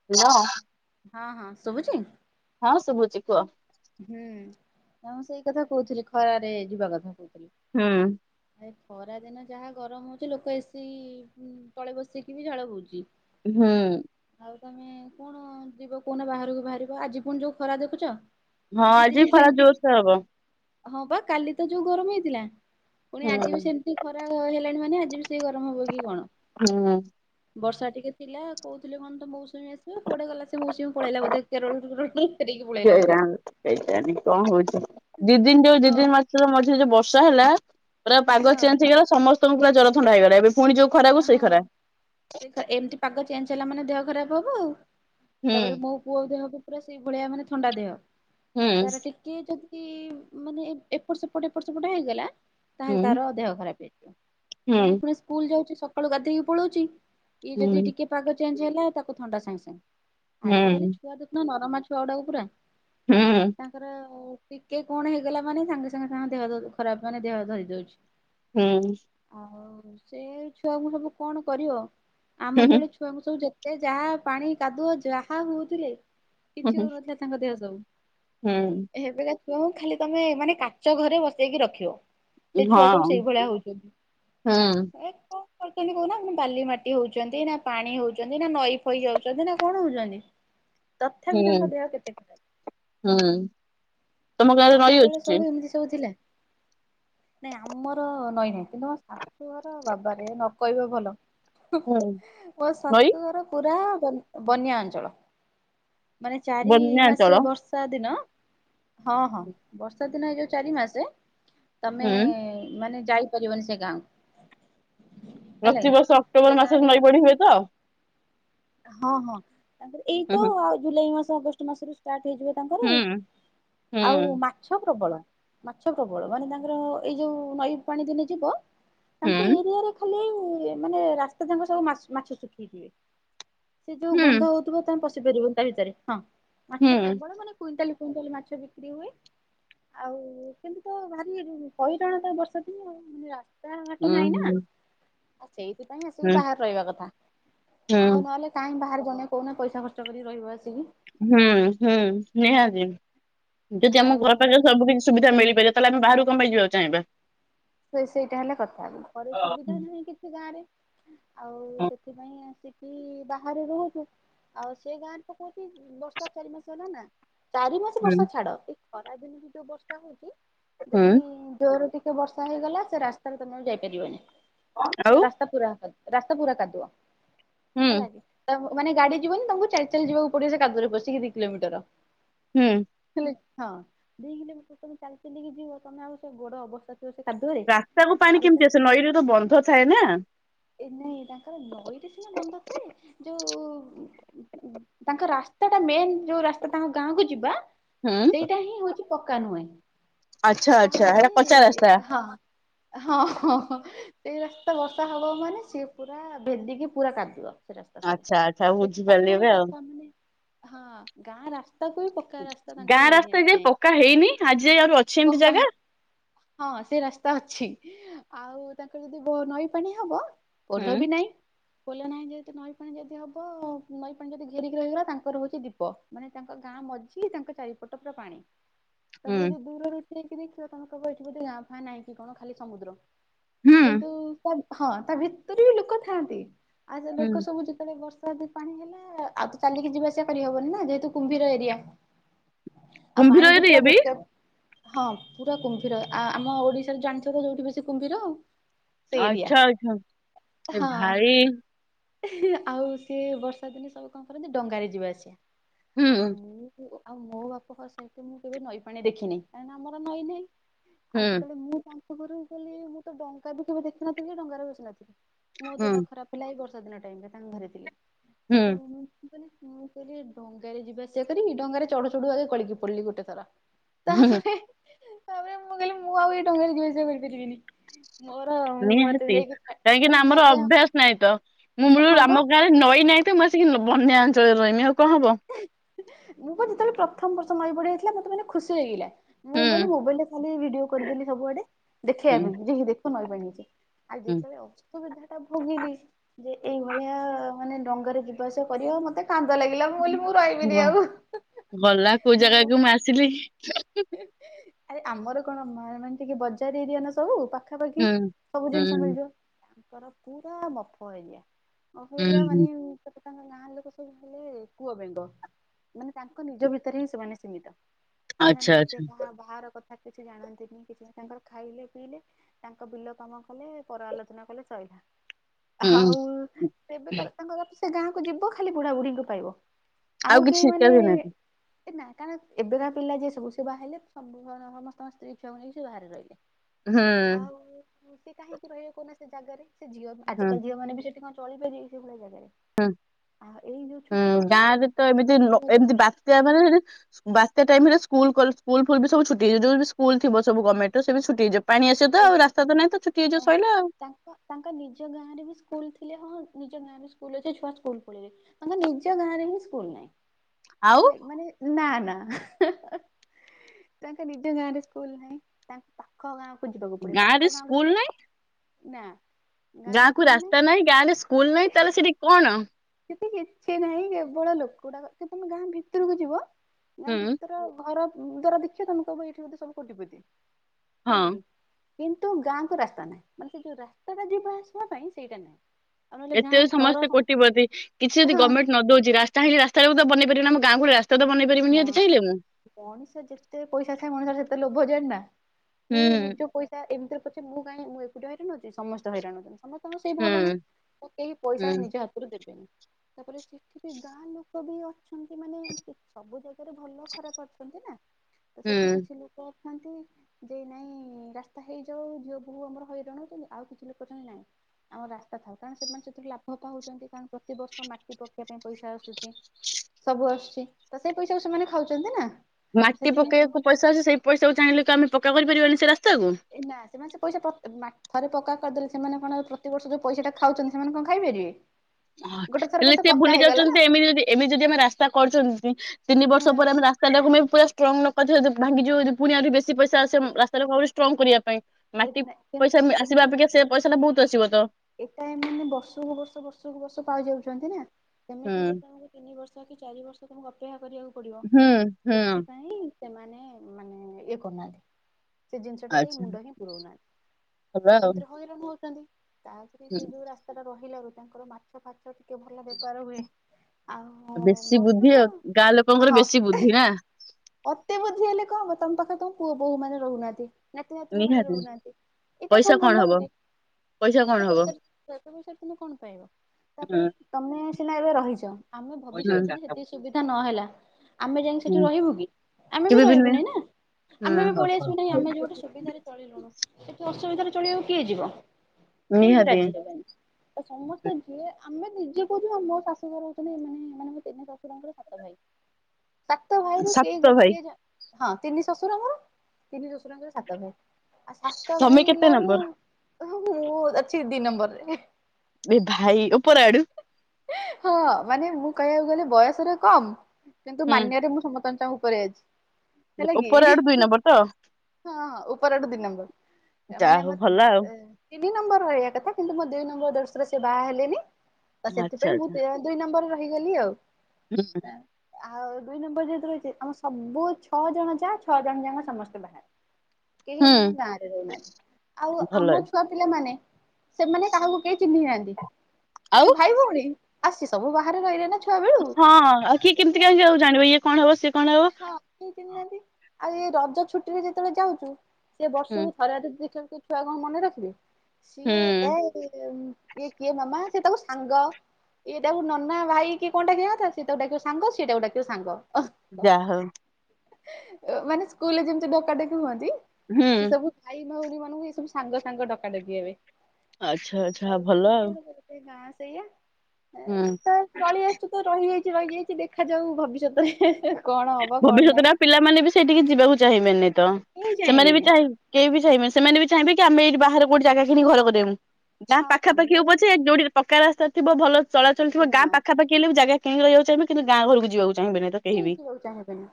[unintelligible] ହଁ ହଁ ଶୁବୁଚି? ହଁ ଶୁବୁଚି କୁହ। ହୁଁ ମୁଁ ସେଇ କଥା କୋହୁଥିଲି ଖରାରେ ଯିବା କଥା କୋହୁଥିଲି। ହୁଁ। ଆ ଏ ଖରା ଦିନ ଯାହା ଗରମ ହୋଉଚି। ଲୋକ ଏସିି ତଳେ ବସିକି ବି ଝାଳ ବୋହୁଚି। ହୁଁ। ଆଉ ତମେ କଣ ଯିବ କୋହୁନ ବାହାରକୁ ବାହାରିବ। ଆଜି ଫୁଣି ଯୋଉ ଖରା ଦେଖୁଚ। ହଁ ଦିଇ ଆଜି ଦିନି ଖରା ହେଲାଣି ଟି ଜୋରସେ ହବ। ହଁ ପା କାଲି ତ ଯୋଉ ଗରମ ହେଇଥିଲା। ପୁଣି ହୁଁ ଆଜି ବି ସେମିତି ଖରା ହେଲାଣି ମାନେ ଆଜି ବି ସେ ଗରମ ହବ କି କଣ। ହଁ। ବର୍ଷା ଟିକେ ଥିଲା କୋହୁଥିଲେ କଣତ ମୌସୁମୀ ଆସିବ କୁଆଡେ ଗଲା ସେ ମୌସୁମୀ ପଳେଇଲା ବୋଧେ କେରଳରୁ [unintelligible] କେଜାଣି କେଜାଣି କଣ ହୋଉଚି। ଦିଇ ଦିନି ଯୋଉ ଦି ହଁ। [unintelligible] ସେଇପା ମଝିରେ ଯୋଉ ବର୍ଷା ହେଲା ପୁରା ହଁ ପାଗ ଚେଞ୍ଜ ହେଇଗଲା। ସମସ୍ତଙ୍କୁ ପୁରା ଜର ଥଣ୍ଡା ହେଇଗଲା ଏବେ ଫୁଣି ଯୋଉ ଖରା କୁ ସେଇ ହଁ। ଖରା। ସେ ଏମିତି ପାଗ ଚେଞ୍ଜ ହେଲା ମାନେ ଦେହ ଖରାପ ହବ ଆଉ। ହୁଁ ତାପରେ ମୁଁ ପୁଅ ଦେହବି ପୁରା ସେଇଭଳିଆ ମାନେ ଥଣ୍ଡା ଦେହ। ହୁଁ ତାର ଟି କେ ଯଦି ମାନେ ଏପଟ ସେପଟ ଏପଟ ସେପଟ ହେଇଗଲା। ତାହେଲେ ହୁଁ ତାର ଦେହ ଖରାପ ହେଇ ଯିବ। ହୁଁ ପୁଣି ପୁଣି ସ୍କୁଲ ଯାଉଚି ସକାଳୁ ଗାଧୋଇକି ପଳୋଉଚି। ଇଏ ଯଦି ହୁଁ ଟିକେ ପାଗ ଚେଞ୍ଜ ହେଲା। ତାକୁ ଥଣ୍ଡା ସାଙ୍ଗେ ସାଙ୍ଗେ ହୁଁ। ଆଜିକାଲି ଛୁଆ ତ ନରମା ଛୁ ଆ ଗୁଡାକ ପୁରା। ହୁଁ। ତାଙ୍କର ଟିକେ କଣ ହେଇଗଲା ମାନେ ସାଙ୍ଗେ ସାଙ୍ଗେ ତାଙ୍କ ଦେହ ଖରାପ ମାନେ ଦେହ ଧରି ଦୋଉଚି। ହୁଁ। ଆଉ ସେ ଛୁଆଙ୍କୁ ସବୁ କଣ କରିବ? ଆମ ହୁଁ ବେଳେ ଛୁ ଆଙ୍କୁ ସବୁ ଯେତେ ଯାହା ପାଣି କାଦୁଅ ଯାହା ହୋଉଥିଲେ ହୁଁ କିଛି ହଁ। ହୋଉନଥିଲା। ତାଙ୍କ ଦେହ ସବୁ। ହୁଁ। ଏବେକା ଛୁଆଙ୍କୁ ଖାଲି ତମେ ମାନେ କାଚ ଘରେ ବସେଇକି ରଖିବ। ସେଇ ଛୁଆ ସବୁ ସେଇ ଭଳିଆ ହୋଉଚନ୍ତି। ହୁଁ କଣ କରୁଚନ୍ତି କହୁନ ବାଲି, ମାଟି ହୋଉଚନ୍ତି, ନା ପାଣି ହୋଉଚନ୍ତି, ନା ନଈ ଫଇ ଯାଉଚନ୍ତି, ନା କଣ ହୋଉଚନ୍ତି? ତଥାପି ହୁଁ ତାଙ୍କ ଦେହ କେତେ ଖରାପ? ହୁଁ। ତମ ଗାଁରେ ନଈ ଆମ ବେଳେ ଅଛି? ସବୁ ଏମିତି ସବୁ ଥିଲା? ନାଇଁ ଆମର ନଈ ନାହିଁ କିନ୍ତୁ ଆମ ଶା ଶୁ ଘର ବାବାରେ ନ କହିବ ଭଲ। ହୁଁ ମୋ ନଈ ଶାଶୁଘର ପୁରା ବ-ବନ୍ୟା ଅଞ୍ଚଳ। ମାନେ ଚାରି ବନ୍ୟାଞ୍ଚଳ। ମାସେ ବର୍ଷା ଦିନ ହଁ ହଁ ବର୍ଷା ଦିନ ଏଇ ଯୋଉ ଚାରି ମାସେ ତମେ ହୁଁ ମାନେ ଯାଇ ପାରିବନି ସେ ଗାଁକୁ। ହେଲା କି ପ୍ରତିବର୍ଷ ସେ ଅକ୍ଟୋବର ଗାଁରେ ମାସରେ ନଈ ବଢ଼ି ହୁଏ ତ? ହଁ, ହଁ ତାପରେ ଏଇ ତ ହୁଁ ଆଉ ଜୁଲାଇ ମାସ ଅଗଷ୍ଟ ମାସରୁ ଷ୍ଟାର୍ଟ ହେଇଯିବ। ତାଙ୍କର ହୁଁ ହୁଁ ଆଉ ମା ଛ ପ୍ରବଳ, ମାଛ ପ୍ରବଳ ମାନେ ତାଙ୍କର ଏଇ ଯୋଉ ନଈ ପାଣି ଦିନେ ଯିବ ତାଙ୍କ ହୁଁ ଏରିଆରେ ଖାଲି ମାନେ ରାସ୍ତା ଯାଙ୍କ ସବୁ ମାସ୍ ମାଛ ଶୁଖେଇଥିବେ। ସେ ଯୋଉ ହୁଁ ଗନ୍ଧ ହଉଥୁବ ତୋମେ ପଶି ପାରିବନି ତା ଭିତରେ। ହଁ, ହୁଁ ମାଛ ପ୍ରବଳ ମାନେ କୁଇଣ୍ଟାଲ କୁଇଣ୍ଟାଲ ମାଛ ବିକ୍ରି ହୁଏ। ଆଉ କିନ୍ତୁ ତ ଭାରି ଯୋଉ ହଇରାଣ ତ ବର୍ଷାଦିନେ ଆଉ ମାନେ ରାସ ବଜାର ଘାଟ ହୁଁ ନାଇଁ ନା ହୁଁ। ଆଉ ସେଇଥିପାଇଁ ହୁଁ ଆସିକି ବାହାରେ ରହିବା କଥା। ହୁଁ ଆଉ ନହେଲେ କାଇଁ ବାହାରେ ଜଣେ କହୁନ ପଇସା ଖର୍ଚ୍ଚ କରିକି ରହିବ ଆସିକି? ହୁଁ, ହୁଁ ନିହାତି ଯଦି ଆମ ଆଉ ଘର ପାଖରେ ସବୁ କିଛି ସୁବିଧା ମିଳିପାରିବ ତାହେଲେ ଆମେ ବାହାରକୁ କଣ ପାଇଁ ଯିବାକୁ ଚାହିଁବା। ସେ ସେଇଟା ହେଲା କଥା। ଘରେ ସୁବିଧା ହୁଁ ନାହିଁ କିଛି ଗାଁରେ। ଆଉ ସେଥିପାଇଁ ଆସି କି ବାହାରେ ରହୁଛୁ। ଆଉ ସେ ଗାଁ ରେ ତ କୋଉଠି ବର୍ଷା ଚାରି ମାସ ହେଲା ନା। ଚାରି ମାସ ବର୍ଷା ହୁଁ ଛାଡ। ଏଇ ଖରାଦିନେ ବି ଯୋଉ ବର୍ଷା ହଉଚି। ହୁଁ ଯଦି ଜୋର ଟିକେ ବର୍ଷା ହେଇଗଲା ସେ ରାସ୍ତରେ ତୋମେ ଆଉ ଯାଇପାରିବନି। ଆଉ ସେ ରାସ୍ତା ପୁରା କାଦ ରାସ୍ତା ପୁରା କାଦୁଅ ହୁଁ ହେଲା କି। ଟାହ ମାନେ ଗାଡି ଯିବନି ତୋମକୁ ଚାଲି ଚାଲି ଯିବାକୁ ପଡିବ ସେ କାଦୁଅରେ ପସିକି ଦି କିଲୋମିଟର। ହୁଁ। ହେଲାକି, ହଁ, ଦି କିଲୋମିଟର ତୋମେ ଚାଲି ଚାଲିକି ଯିବ ତୋମେ ଆଉ ସେ ଗୋଡ ଅବସ୍ଥା ଥିବ ସେ କାଦୁଅରେ ଆ ରାସ୍ତାକୁ ପାଣି ଯାହାର କେମିତି ଆସେ ନଈରେ ତ ବନ୍ଧ ଥାଏ ନା? ଏ ନାଇଁ ତାଙ୍କର ନଈରେ ସିନା ବନ୍ଧ ଥାଏ। ଯୋଉ ଉଁ, ଉ, ତାଙ୍କ ରାସ୍ତା ଟା ମେନ୍ ଯୋଉ ରାସ୍ତା ତାଙ୍କ ଗାଁ କୁ ଯିବା ହୁଁ ସେଇଟା ହିଁ ହଉଛି ପକ୍କା ନୁହେଁ। ଆଚ୍ଛା, ସେଇଟା ଆଚ୍ଛା, ହେଟା କଞ୍ଚା ହଉଛି ରାସ୍ତା। ହଁ, ହଁ, ଏ, ହଁ, ହଁ, ହଁ। ସେଇ ରାସ୍ତା ବର୍ଷା ହବ ମାନେ ସିଏ ପୁରା ଭେଦିକି ପୂରା କାଦୁଅ। ସେ ରାସ୍ତା ସବୁ, ଆଚ୍ଛା ଆଚ୍ଛା ସେଠି ବୁଝିପାରିଲି ତାକୁ ବି ଏବେ ଆଉ। ପକଉନି। ହଁ, ଗାଁ ରାସ୍ତାକୁ ବି ପକ୍କା ରାସ୍ତା ଗାଁ ତାଙ୍କର ହେଇନି ରାସ୍ତା ଆଜି ଯାଏ ଯାଏଁ। ପକ୍କା ହେଇନି ଆଜି ଯାଏ ଆହୁରି ଅଛି ଏମିତି ପକ୍କା ଜାଗା? ହଁ ସେ ରାସ୍ତା ଅଛି। ଆଉ ତାଙ୍କର ଯଦି ବ- ନଈ ପାଣି ହବ ହୁଁ ପୋଲ୍ହ ବି ନାଇଁ। ପୋଲ ନାହିଁ ଯଦି ନଈ ପାଣି ଯଦି ହବ, ନଈ ପାଣି ଯଦି ଘେରିକି ରହିଗଲା ତାଙ୍କର ହଉଛି ଦୀପ। ମାନେ ତାଙ୍କ ଗାଁ ମଝି ତାଙ୍କ ଚାରିପଟ ପୂରା ପାଣି। ହୁଁ ତୋମେ ଯଦି ଦୂରରୁ ଠିଆ ହେଇକି ଦେଖିବ ତୋମେ କହିବ ଏଠି ବୋଧେ ଗାଁ ଫାଁ ନାହିଁ କି କଣ ଖାଲି ସମୁ୍ଦ୍ର। ହୁଁ କିନ୍ତୁ ତା ହଁ ତା ଭିତରୁ ବି ଲୁକ ଥାଆନ୍ତି। ଆଉ ଯେ ହୁଁ। ଲୋକ ସବୁ ଯେତେବେଳେ ବର୍ଷ ଷା ଯଦି ପାଣି ହେଲା ଆଉ ତ ଚାଲିକି ଯିବା ଆସିବା କରିହବନି ନା ଯେହେତୁ କୁମ୍ଭୀର ଏରିଆ। ଆଉ କୁମ୍ଭୀର ପାଣି ବି ଏରିଏ ପୁରା ବେକେ, ହଁ ପୁରା କୁମ୍ଭ ମ୍ଭୀର ଆ, ଆମ ଓଡିଶାରେ ଜାଣିଥିବ ତ ଯୋଉଠି ବେଶୀ କୁମ୍ଭୀର। ସେ ଏରିଆ ଆଚ୍ଛା, ଆଚ୍ଛା, ଏ ହଁ ଭାଇ ଆଉ ସିଏ ବର୍ଷାଦିନେ ସବୁ କଣ କରନ୍ତି ଡଙ୍ଗାରେ ଯିବା ଆସିବା। ହୁଁ ଆଉ ମୁଁ କୁ-ଅ, ଆଉ ମୋ ବାପ ଘର ସାଇଟ ରେ ମୁଁ କେବେ ନଈ ପାଣି ଦେଖିନି। କାହିଁକି ନା ଆମର ନଈ ନାହିଁ। ହୁଁ ଆଉ ଯେତେବେଳେ ମୁଁ ତାଙ୍କ ଘରୁକୁ ଗଲି ମୁଁ ତ ଡଙ୍ଗା ବି କେବେ ଦେଖିନଥିଲି, ଡଙ୍ଗାରେ ବସିନଥିଲି। ମୋ ହୁଁ ଦେହ ଖରାପ ହେଲା ଏଇ ବର୍ଷା ଦିନ ଟାଇମ୍ ରେ। ତାଙ୍କ ଘରେ ଥିଲି ସେଉଠୁ ହୁଁ ମୁଁ ମୁଁ କହିନି, ମୁଁ କହିଲି ଏ ଡଙ୍ଗାରେ ଯିବା ଆସିବା କରିବି। ଡଙ୍ଗାରେ ଚଢୁ ଚଢୁ ଆଗେ ଗଳିକି ପଡିଲି ଗୁଟେ ଥର। ହୁଁ ତାପରେ ତାପରେ ମୁଁ କହିଲି ମୁଁ ଆଉ ଏଇ ଡ଼ଙ୍ଗାରେ ଯିବା ଆସିବା କରିପାରିବିନି। ମୋର ମତେ ନିହାତି ନେଇକି କାହିଁକି ନା ଆମର ମତେ ଅଭ୍ୟାସ ନାହିଁ ତ। ମୁଁ ହଁ ମୂଳରୁ ବା ଆମ ଗାଁରେ ନଈ ନାଇଁ ତ ମୁଁ ଆସିକି ଲ-ବନ୍ୟା ଅଞ୍ଚଳରେ ରହିନି ଆଉ କଣ ହବ। ମୁଁ ପା ଯେତେବେଳେ ପ୍ରଥମ ବର୍ଷ ନଈବଢ଼ି ହେଇଥିଲା ମୋତେ ମାନେ ଖୁସି ହେଇଗିଲା। ମୁଁ ହୁଁ କଲି ମୋବାଇଲ୍ ରେ ଖାଲି ଭିଡିଓ କରିଦେଲି ସବୁଆଡେ ହୁଁ ଦେଖେଇବା ପାଇଁ। ଯେ ହେଇ ଦେଖ ନଇଁ ପାଣି ହେଇଛି। ଆଉ ହୁଁ। ଯେତେବେଳେ ଅସୁବିଧା ଟା ଭୋଗିଲି ଯେ ଏଇଭଳିଆ ମାନେ ଡ଼ଙ୍ଗାରେ ଯିବା ଆସିବା କରିବା ମତେ କାନ୍ଦ ଲାଗିଲା ମୁଁ କହିଲି ମୁଁ ରହିବିନି ଆଉ। ଗଲା କୋଉ ମୁଁ ଜାଗାକୁ ମୁଁ ଆସିଲି ଆରେ ଆମର କଣ ମାନେ ବଜାର ଏରିଆ ନା ସବୁ ପାଖାପାଖି ହୁଁ ସବୁ ହୁଁ ଜିନିଷ ମିଳଯିବ। ତାଙ୍କର ପୁରା ମଫୁ ଏରିଆ ମଫୁ ହୁଁ ଏରିଆ ହୁଁ ମାନେ ସେ ତ ତାଙ୍କ ନାଁ [unintelligible] ଥିଲେ। କୂଅ ବେଙ୍ଗ ମାନେ ତାଙ୍କ ନିଜ ଭିତରେ ହିଁ ସେମାନେ ସୀମିତ। ଆଚ୍ଛା ସେମାନେ ଏତେ ଆଚ୍ଛା କହା ବାହାର କଥା କିଛି ଜାଣନ୍ତିନି କିଛିନାଇଁ ତାଙ୍କର ଖାଇଲେ ପିଇଲେ ତାଙ୍କ ବିଲ କାମ କଲେ ପର ଆଲୋଚନା କଲେ ସଇଲା। ହୁଁ ହଉ ଏବେକାର ତାଙ୍କସେ ଗାଁକୁ ଯିବ ଖାଲି ବୁଢା ବୁଢୀଙ୍କୁ ପାଇବ। ଆଉ କିଛି କେହି ମାନେ ଶିଖିବାକୁ ଦେଇନାହାନ୍ତି ଏ ନା କାରଣ ଏବେ କା ପିଲା ଯିଏ ସବୁ ସେ ବାହା ହେଲେ, ସମସ୍ତଙ୍କ ସ୍ତ୍ରୀ ଛୁଆଙ୍କୁ ନେଇକି ବାହାରେ ରହିଲେ। ହୁଁ ଆଉ ସେ କାହିଁକି ରହିବେ କହୁନା ସେ ଜାଗାରେ ସେ ଝିଅ ହୁଁ। ଆଜିକାଲି ଝିଅ ମାନେ ବି ସେଠି କଣ ଚଳିପାରିବି ସେ ଭଳିଆ ଜାଗାରେ। ହୁଁ ଆଉ ଏଇ ଯୋଉ ଛୁଟି ହୁଁ ଫୁଟି ଗାଁ ହେଲା ରେ ତ ଏମିତି ଏ ରଜ ଏମିତି ବାତ୍ୟା ମାନେ ବାତ୍ୟା ଟାଇମ ରେ ସ୍କୁଲ କ ସ୍କୁଲ ଫୁଲ୍ ସବୁ ଛୁଟି ହେଇଯିବ। ଯୋଉ ବି ସ୍କୁଲ୍ ଥିବ ସବୁ ଗମେଣ୍ଟରେ ସେ ବି ଛୁଟି ହେଇଯିବ। ପାଣି ଆସିବ ତ ଆଉ ରାସ୍ତା ତ ନାଇଁ ତ ଛୁ ତା ତାଙ୍କ ତାଙ୍କ ନିଜ ଗାଁ ରେ ବି ସ୍କୁଲ ଥିଲେ ହଁ ନିଜ ଗାଁରେ ସ୍କୁଲ ଅଛି ଛୁଆ ସ୍କୁଲ ପଳେଇବେ, ତାଙ୍କ ନିଜ ଗାଁରେ ହିଁ ସ୍କୁଲ ନାହିଁ। ଆଉ ହେଲା କି ମାନେ ନା ନା [unintelligible] ତାଙ୍କ ନିଜ ଗାଁ ରେ ସ୍କୁଲ ନାହିଁ। ତାଙ୍କ ପାଖ ଗାଁ କୁ ଯିବାକୁ ପଡିବ। ଗାଁରେ ପାଖ ଗାଁକୁ ସ୍କୁଲ ଯୋ ନା। ଗାଁ କୁ ରାସ୍ତା ନାହିଁ। ଗାଁ ରେ ସ୍କୁଲ ନାହିଁ ତାହେଲେ ସେଠି କଣ? ସେଠି କିଛି ନାହିଁ କେବଳ ଲୋକ ଗୁଡାକ, ତମେ ଗାଁ ଭିତରକୁ ଯିବ ଗାଁ ହୁଁ ଭିତ ତ ଘର ଦ୍ଵାର ଦେଖିବ ତମେ କହିବ ଏଇଠି ବୋଧେ ସବୁ କୋଟିପତି ହଁ ହେଲା କି। କିନ୍ତୁ ଗାଁକୁ ରାସ୍ତା ନାହିଁ, ମାନେ ସେ ଯୋଉ ରାସ୍ତା ଟା ଯିବା ଆସିବା ପାଇଁ ସେଇଟା ନାହିଁ। ଆଉ ନହେଲେ ଏତେ ଗାଁ ଘର ସମସ୍ତେ କୋଟିିପତି କିଚ୍ଛି ଯଦି ହଁ ଗମେଣ୍ଟ ନ ଦଉଛି ରାସ୍ତା ହିଁ ରାସ୍ତା ବନେଇପାରିବେ ଆମ ଗାଁକୁ ରାସ୍ତା ତ ବନେଇ ପାରିବି ମ ନିହାତି ଚାହିଁଲେ ମୁଁ। ମଣିଷ ଯେତେ ପଇସା ଥାଏ ମଣିଷର ସେତେ ଲୋଭ ଜାଣିନା, କିଏ ହୁଁ ନିଜ ପଇସା ଏମିତିରେ ପଛେ ମୁଁ କାଇଁ ମୁଁ ଏକୁଟିଆ ଟିଆ ହଇରାଣ ହେବି ସମସ୍ତେ ହଇରାଣ ହେଉଛନ୍ତି ସମସ୍ତଙ୍କ ସେଇ ଭାବନା ହୁଁ ତ କେହି ପଇସା ହୁଁ ନିଜ ହାତ ରୁ ଦେବେନି, ତାପରେ ସେଠି ବି ଗାଁ ଲୋକ ବି ଅଛନ୍ତି ମାନେ ସେ ସବୁ ଜା ସେଠି ଭଲ ଖରାପ ଅଛନ୍ତି ନା ତ ସେଠି ହୁଁ। କିଛି ଲୋକ ଥାଆନ୍ତି ଯେ ନାଇଁ ରାସ୍ତା ହେଇଯାଉ, ଝିଅ ବୋହୂ ଆମର ହଇରାଣ ହେଉଛନ୍ତି, ଆଉ କିଛି ଲୋକ ଅଛନ୍ତି ନାଇଁ ଆମ ରାସ୍ତା ଥାଉ, କାରଣ ସେମାନେ ସେଥିରୁ ଲାଭ ପାଉଛନ୍ତି କାରଣ ପ୍ରତିବର୍ଷ ମାଟି ପକେଇବା ପାଇଁ ପଇସା ଆସୁଛି। ସବୁ ଆସୁଛି ତ ସେଇ ପଇସାକୁ ସେମାନେ ଖାଉଛନ୍ତି ନା। ମାଟି ସେଥିପାଇଁ ସବୁ ପକେଇବାକୁ ପଇସା ଆସଚି ସେଇ ପଇସାକୁ ଚାହିଁଲେ କି ଆମେ ପକା କରିପାରିବାନି ସେ ରାସ୍ତାକୁ। ଥରେ ପକ୍କା କରିଦେଲେ ସେମାନେ କଣ ପ୍ରତିବର୍ଷ ଯୋଉ ପଇସା ଟା ଖାଉଛନ୍ତି ସେମାନେ କଣ ଖାଇପାରିବେ। ହ [inaudible] ହେଲେ ସେ ଭୁଲି ଯାଉଛନ୍ତି ଯେ ଏମିତି ଯଦି ଏମିତି ଯଦି ଆମେ ରାସ୍ତା କରିଛନ୍ତି, ତିନି ବର୍ଷ ପରେ ଆମେ ରାସ୍ ସ୍ତାଟାକୁ ପୁରା ଷ୍ଟ୍ରଙ୍ଗ ନ କରି ଥିବା ନ ଯଦି ଭାଙ୍ଗି ଯିବ ଯଦି ପୁଣିଆହୁରି ବେଶୀ ପଇସା ଆସେ ରାସ୍ତାଟାକୁ ପୂରା ଆହୁରି ଷ୍ଟ୍ରଙ୍ଗ କରିବା ପାଇଁ। ମାଟି ହଁ ପଇସା ଆସିବା ଅପେକ୍ଷା ସେ ପଇସା ଟା ବହୁତ ଆସିବ ତ। ଏଇଟା ଏମାନେ ବର୍ଷକୁ ବର୍ଷ ବର୍ଷକୁ ବର୍ଷ ପାଉ ଯାଉଛନ୍ତି ନା, ହୁଁ। ସେମିତି ହେଲେ ତମ ତିନି ବର୍ଷ କି ଚାରି ବର୍ଷ ତମକୁ ଅପେକ୍ଷା କରିବାକୁ ପଡିବ। ହୁଁ ହୁଁ ସେଥିପାଇଁ ଇଏ କରୁନାହାନ୍ତି। ସେ ଜିନିଷ ଟା କେହି ଆଚ୍ଛା ମୁଣ୍ଡ ହିଁ ପୁରଉନାହାନ୍ତି, ଭଲ ତ ଆଉ। ସେମିତିରେ ହଇରାଣ ହଉଛନ୍ତି। ତାପରେ ହୁଁ ସେ ଯୋଉ ରାସ୍ତା ଟା ରହିଲାରୁ ତାଙ୍କର ମାଛ ଫାଛ ଟିକେ ଭଲ ବେପାର ହୁଏ। ଆଉ ବେଶୀ ବୁଦ୍ଧି ବସ୍ତୁକୁ ଆଉ ଗାଁ ଲୋକଙ୍କର ବେଶୀ ବୁଦ୍ଧି ନା? ଅତି ବୁଦ୍ଧି ହେଲେ କଣ ହବ, ତମ ପାଖରେ ତ ପୁଅ ବୋହୂ ମାନେ ରହୁନାହାନ୍ତି। ନାତି ନାତୁଣୀ ମାନେ ନିହାତି। ରହୁନାହାନ୍ତି ଏଇଟା ପଇସା କଣ ଭଲ ହବ ଲାଗୁଛି। ପଇସା କଣ ସେ ହବ ପଇସା ରୁ ପଇସା ତମେ କଣ ପାଇବ। ହୁଁ ତାପରେ ତମେ ସିନା ଏବେ ରହିଛ ଆମ ଭବିଷ୍ୟତରେ ଯଦି ସେତିକି ହୁଁ ସୁବିଧା ନହେଲା ଆମେ ଯାଇକି ସେଠି ରହିବୁ କି ଆମେ ବି କେବେ ନୁହେଁ। ରହିବୁନାଇଁ ନା? ଆମେ ବି ହୁଁ ପଳେଇ ଆସିବୁ। ନାଇଁ ଆମେ ଯୋଉଠି ସୁବିଧାରେ ଚଳିଲୁଣୁ ସେଠି ଅସୁବିଧାରେ ଚଳିବାକୁ କିଏ ଯିବ। କେହି ବି ନିହାତି ରାଜି ହେବେନି। ତ ସମସ୍ତେ ଯିଏ ଆମେ ନିଜେ କହୁଛୁ, ମୋ ଶାଶୁଘର ହଉଛନ୍ତି ମାନେ ମାନେ ମୋ ତିନି ଶଶୁର ଙ୍କର ସାତ ଭାଇ। ସାତ ଭାଇରୁ କେଇ ସାତ ଭାଇ ଗୋଟିଏ ଜା ହଁ ତିନି ଶ୍ୱଶୁର ମୋର ତିନି ଶ୍ୱଶୁରଙ୍କର ସାତ ଭାଈ। ଆଉ ସାତ ତମେ ଭାଇ କେତେ ହେଲାରୁ, ନମ୍ବର ଓହୋ ମୁଁ ଅଛି ଦି ନମ୍ବରରେ। ଏ ଭାଇ ଓପର ଆଡୁ? ହଁ ମାନେ ମୁଁ କହିବାକୁ ଗଲେ ବୟସରେ କମ୍। କିନ୍ତୁ ହୁଁ। ମାନ୍ୟରେ ମୁଁ ସମ [unintelligible] ଉପରେ ଅଛି। ହେଲାକି ଉପର ଆଡୁ ଦୁଇ ନମ୍ବର ତ? ହଁ ଉପର ଆଡୁ ଦିିନମ୍ୱର୍। ଯାହା ମାନେ ହଉ ମ ଭଲ ଆଉ ଏ ତିନି ନମ୍ବର ରହିବା କଥା କିନ୍ତୁ ମୋ ଦୁଇ ନମ୍ବର ଦଡୁଶୁର ସେ ବା ହେଲେନି। ତ ଆଚ୍ଛା ସେଥିପାଇଁ ମୁଁ ଆଚ୍ଛା ଦେ ଦୁଇ ନମ୍ବରରେ ରହିଗଲି ଆଉ। ହୁଁ ଆଉ ଦୁଇ ନମ୍ବର ଯେହେତୁ ରହିଛି ଆମ ସବୁ ଛଅ ଜଣ ଯା ଛଅ ଜଣ ଯାକ ସମସ୍ତେ ବାହାରେ। କେହି ମାନେ ଗାଁରେ ରହୁନାହାନ୍ତି ଆଉ ଭଲ ଆମ ଛୁଆ ପିଲାମାନେ ସେମାନେ କାହାକୁ କେହି ଚିହ୍ନି ନାହାନ୍ତି ଆଉ ମାନେ ଭାଇ ଭଉଣୀ ଆସି ସବୁ ବାହାରେ ରହିଲେ ନା ଛୁଆବେେଳୁ। ହଁ ଆଉ କି କେମତି କାହିଁକି ଆଉ ଜାଣିବ ଇଏ କଣ ହବ ସିଏ କଣ ହବ। ହଁ କେହି ଚିହ୍ନି ନାହାଁନ୍ତି ଆଉ ଏ ରଜ ଛୁଟି ରେ ଯେତେବେଳେ ଯାଉଚୁ ସେ ହୁଁ ବର୍ଷକୁ ଥରେ ଅଧେ ଦେଖନ୍ତି ଛୁଆ କଣ ମନେ ରଖିବେ ହୁଁ ସିଏ ଏ ଇଏ କିଏ ମାମା ସେ ତାକୁ ସାଙ୍ଗ ଇଏ ତାକୁ ନନା ଭାଇ କିଏ କଣ ଡାକିଆ କଥା ସେ ତାକୁ ଡାକିବ ସାଙ୍ଗ ସିଏତାକୁ ଡକିବ ସାଙ୍ଗ। ଯାହଉ। ଓ ମାନେ ସ୍କୁଲରେ ଯେମିତି ଡକା ଡକି ହୁଅନ୍ତି ହୁଁ। ସେ ସବୁ ଭାଇ ଭଉଣୀ ମାନଙ୍କୁ ଏ ସବୁ ସାଙ୍ଗ ସାଙ୍ଗ ଡକା ଡକି ହେବେ ଆଚ୍ଛା ଆଚ୍ଛା ଭଲ ଆଉ। [unintelligible] ସେ ଗାଁ ସେଇଆ। ହୁଁ। ତ ଚଳି ଆସୁଛୁ ତ ରହିଯାଇଛି ରହିଯାଇଛି ଦେଖାଯାଉ ଭବିଷ୍ୟତରେ କଣ ହବ କଣ ଭବିଷ୍ୟତରେ ନାହିଁ ଆଉ ପିଲାମାନେ ବି ସେଇଠିକି ଯିବାକୁ ଚାହିଁବେନି ତ କେହି ସେମାନେ ବି ଚାହିଁବେନି ଚାହିଁ କେହି ବି ଚାହିଁବେ ସେମାନେ ବି ଚାହିଁବେ କି ଆମେ ଏଠି ବାହାର କୋଉଠି ଜାଗା କିଣି ଘରକରିମୁ। ଗାଁ ହଁ ପାଖାପାଖି ହଉ ଆମେ ପଛେ ଯୋଉଠି ପକା ରାସ୍ତା ଥିବ ଭଲ ଚଳାଚଳି ସେଇଠି ଥିବ ଗାଁ ହଁ ପାଖାପାଖି ହେଲେ ବି ଜାଗା କିଣିକି ରହିବାକୁ ଚାହିଁବେ କିନ୍ତ ଗାଁ ଘରକୁ ଯିବାକୁ ଚାହିଁବେନି ତ। କେହି ଯିବାକୁ ଚାହିଁବେନି।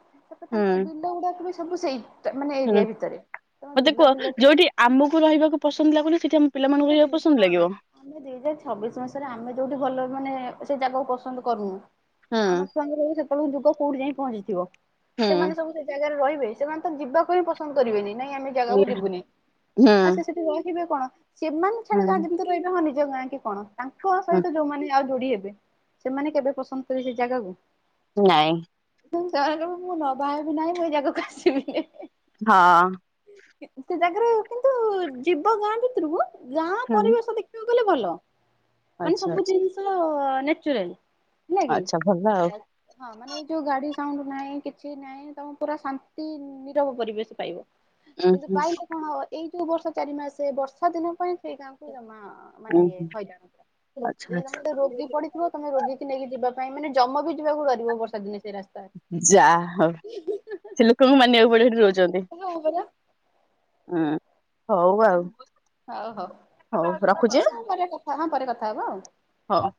ହୁଁ ତାଙ୍କ ବିଲ ଗୁଡାକ ବି ସବୁ ସେଇ ଟା ମାନେ ହୁଁ ଏରିଆ ଭିତରେ ତମ ବିଲ ଫିଲ ଟିକେ ଆମୁକୁ ରହିବାକୁ ପସନ୍ଦ ଲାଗୁନି ସେଠି ଆମ ପିଲାମାନଙ୍କୁ ସେଠି ରହିବାକୁ ପସନ୍ଦ ହଁ ଲାଗିବ। ଆମେ ଦୁଇ ହଜାର ଛବିଶ ମସିହାରେ ଆମେ ଯୋଉଠି ଭଲ ମାନେ ସେଇ ଜାଗାକୁ ପସନ୍ଦ କରୁନୁ ହୁଁ ଆମ ଛୁଆଙ୍କ ବେଳୁ ସେତବେଳୁ ଯୁଗ କୋଉଠି ଯାଇ ପହଞ୍ଚିଥିବ ହୁଁ ସେମାନେ ସବୁ ସେ ଜାଗାରେ ରହିବେ ସେମାନେ ତ ଯିବାକୁ ହିଁ ପସନ୍ଦ କରିବେନି ନାଇଁ ଆମେ ଜାଗାକୁ ଯିବୁନି ଆଉ ସେ ହୁଁ ସେଠି ରହିବେ କଣ ସେମାନେ ଛାଡ ଯା ଯେମିତି ରହିବେ ହଁ ନିଜ ଗାଁ କି କଣ ତାଙ୍କ ହୁଁ ସହିତ ଯୋଉମାନେ ଆଉ ଯୋଡି ହେବେ ସେମାନେ କେବେ ପସନ୍ଦ କରିବେ ଜାଗାକୁ। ନାଇଁ। ମୁଁ ତଣୁ ମୁଁ ନବା ହେବି ନାହିଁ ମୁଁ ଏଇ ଜାଗାକୁ ଆସିବିନି। ହଁ। ସେ ଜାଗାରୁ କିନ୍ତୁ ଯିବ ଗାଁ ଭିତରୁକୁ ଗାଁ ହୁଁ ପରିବେଶ ଦେଖ ଦେଖିବାକୁ ଗଲେ ଭଲ ମାନେ ଆଚ୍ଛା ସବୁ ଆଚ୍ଛା ଜିନିଷ ନେଚୁରାଲ। ହେଲାଗି ଆଚ୍ଛା ଭଲ ଆଉ ଏତ ହଁ ମାନେ ଏଇ ଯୋଉ ଗାଡି ସାଉଣ୍ଡ ନାହିଁ କିଛି ନାହିଁ ତମେ ପୁରା ଶାନ୍ତି ନିରବ ପରିବେଶ ପାଇବ। ଉଁ କିନ୍ତୁ ହୁଁ ପାଇଲେ କଣ ହବ ଏଇ ଯୋଉ ବର୍ଷ ଚାରି ମାସେ ବର୍ଷା ଦିନ ପାଇଁ ସେଇ ଗାଁକୁ ଜମା ଉଁ ମାନେ ଏ ହୁଁ ହଇରାଣ ପୁରା ଆଚ୍ଛା ଯଦି ଆଚ୍ଛା ତମର ରୋଗୀ ପଡି କୁଅ ତମେ ରୋଗୀ କି ନେଇକି ଯିବା ପାଇଁ ମାନେ ଜମ ବି ଯିବାକୁ ଡରିବ ବର୍ଷା ଦିନ ସେ ରାସ୍ତା। ଯା ହଉ ସେ ଲୋକଙ୍କୁ ମାନିବାକୁ ପଡିବ ସେଠି ରହୁଛନ୍ତି। ହଉ ପରା ଉଁ ହଉ ଆଉ। ହଉ ହଉ ହଉ ରଖୁଛି ଏଇ ଆଉ ପରେ କଥା ହଁ ପରେ କଥା ହବ ଆଉ। ହ।